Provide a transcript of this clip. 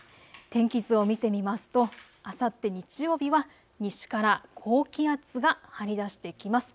天気図を見てみますとあさって日曜日は西から高気圧が張り出してきます。